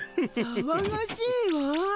さわがしいわ。